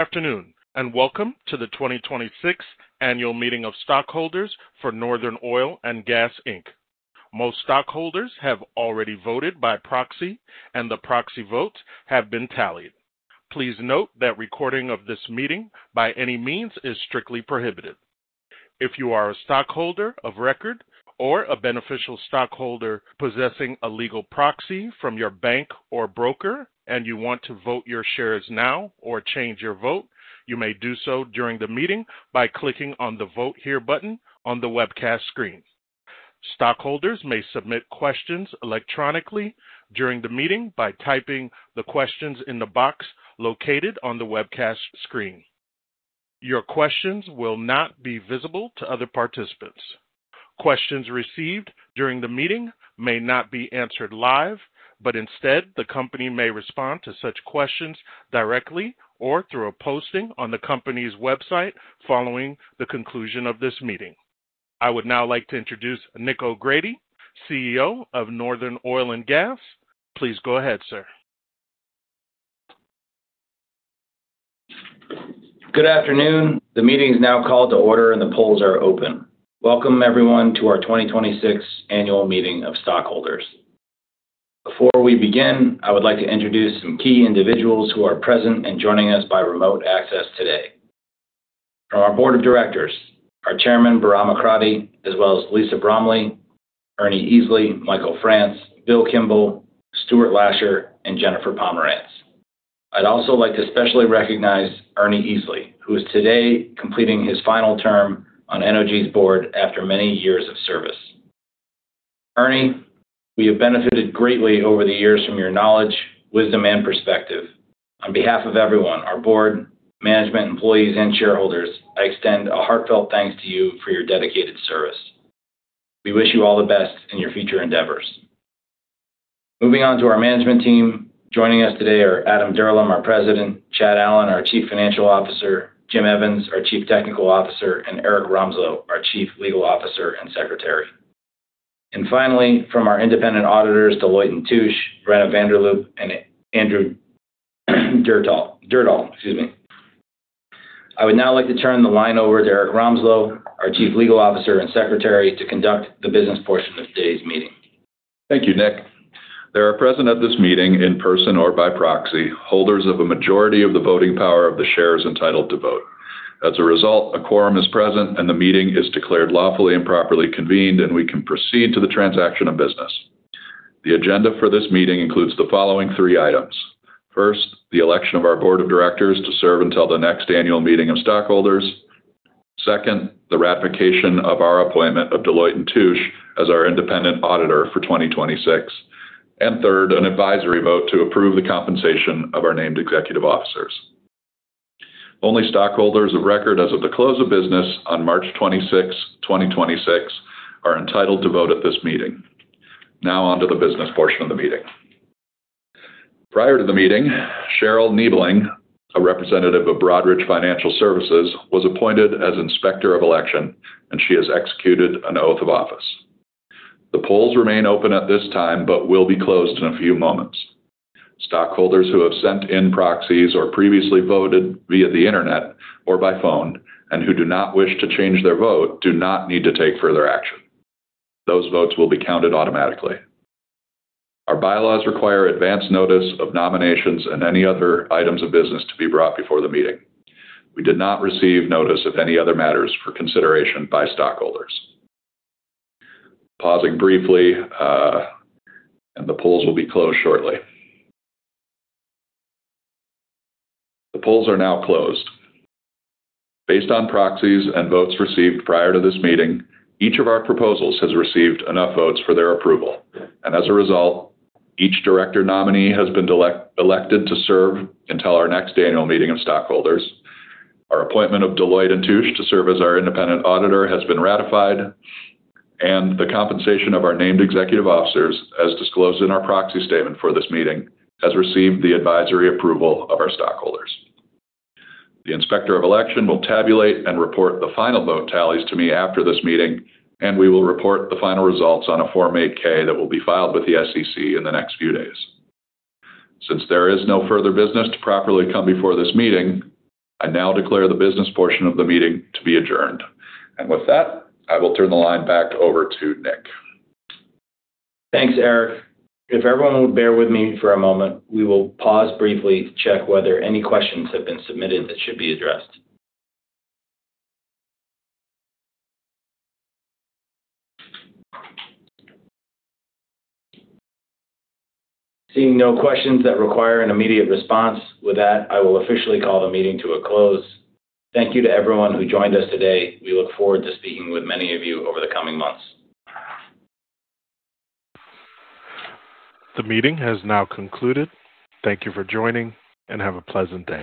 Afternoon, welcome to the 2026 Annual Meeting of Stockholders for Northern Oil and Gas, Inc. Most stockholders have already voted by proxy, and the proxy votes have been tallied. Please note that recording of this meeting by any means is strictly prohibited. If you are a stockholder of record or a beneficial stockholder possessing a legal proxy from your bank or broker and you want to vote your shares now or change your vote, you may do so during the meeting by clicking on the Vote Here button on the webcast screen. Stockholders may submit questions electronically during the meeting by typing the questions in the box located on the webcast screen. Your questions will not be visible to other participants. Questions received during the meeting may not be answered live, but instead, the company may respond to such questions directly or through a posting on the company's website following the conclusion of this meeting. I would now like to introduce Nick O'Grady, CEO of Northern Oil and Gas. Please go ahead, sir. Good afternoon. The meeting's now called to order and the polls are open. Welcome, everyone, to our 2026 Annual Meeting of Stockholders. Before we begin, I would like to introduce some key individuals who are present and joining us by remote access today. From our board of directors, our chairman, Bahram Akradi, as well as Lisa Bromiley, Ernie Easley, Michael Frantz, Will Kimble, Stuart Lasher, and Jennifer Pomerantz. I'd also like to specially recognize Ernie Easley, who is today completing his final term on NOG's board after many years of service. Ernie, we have benefited greatly over the years from your knowledge, wisdom, and perspective. On behalf of everyone, our board, management, employees, and shareholders, I extend a heartfelt thanks to you for your dedicated service. We wish you all the best in your future endeavors. Moving on to our management team, joining us today are Adam Dirlam, our President, Chad Allen, our Chief Financial Officer, James Evans, our Chief Technical Officer, and Erik Romslo, our Chief Legal Officer and Secretary. Finally, from our independent auditors, Deloitte & Touche, Brenna Vanderloop, and Andrew Durdall. Excuse me. I would now like to turn the line over to Erik Romslo, our Chief Legal Officer and Secretary, to conduct the business portion of today's meeting. Thank you, Nick. There are present at this meeting, in person or by proxy, holders of a majority of the voting power of the shares entitled to vote. As a result, a quorum is present, and the meeting is declared lawfully and properly convened, and we can proceed to the transaction of business. The agenda for this meeting includes the following three items. First, the election of our board of directors to serve until the next annual meeting of stockholders. Second, the ratification of our appointment of Deloitte & Touche as our independent auditor for 2026. Third, an advisory vote to approve the compensation of our named executive officers. Only stockholders of record as of the close of business on March 26, 2026, are entitled to vote at this meeting. Now, onto the business portion of the meeting. Prior to the meeting, Cheryl Kneebling, a representative of Broadridge Financial Solutions, was appointed as Inspector of Election. She has executed an oath of office. The polls remain open at this time but will be closed in a few moments. Stockholders who have sent in proxies or previously voted via the Internet or by phone and who do not wish to change their vote do not need to take further action. Those votes will be counted automatically. Our bylaws require advance notice of nominations and any other items of business to be brought before the meeting. We did not receive notice of any other matters for consideration by stockholders. Pausing briefly. The polls will be closed shortly. The polls are now closed. Based on proxies and votes received prior to this meeting, each of our proposals has received enough votes for their approval. As a result, each director nominee has been elected to serve until our next annual meeting of stockholders. Our appointment of Deloitte & Touche to serve as our independent auditor has been ratified, and the compensation of our named executive officers, as disclosed in our proxy statement for this meeting, has received the advisory approval of our stockholders. The Inspector of Election will tabulate and report the final vote tallies to me after this meeting, and we will report the final results on a Form 8-K that will be filed with the SEC in the next few days. Since there is no further business to properly come before this meeting, I now declare the business portion of the meeting to be adjourned. With that, I will turn the line back over to Nick. Thanks, Erik. If everyone would bear with me for a moment, we will pause briefly to check whether any questions have been submitted that should be addressed. Seeing no questions that require an immediate response, with that, I will officially call the meeting to a close. Thank you to everyone who joined us today. We look forward to speaking with many of you over the coming months. The meeting has now concluded. Thank you for joining, and have a pleasant day.